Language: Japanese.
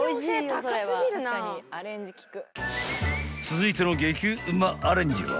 ［続いての激うまアレンジは？］